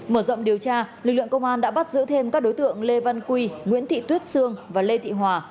mở rộng điều tra lực lượng công an đã bắt giữ thêm các đối tượng lê văn quy nguyễn thị tuyết sương và lê thị hòa